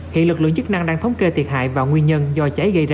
hiện lực lượng chức năng đang thống kê thiệt hại và nguyên nhân do cháy gây ra